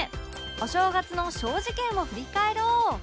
お正月の小事件を振り返ろう